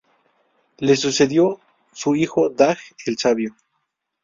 Le sucedió su hijo Dag el Sabio.